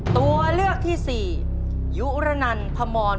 ตัวเลือกที่สาม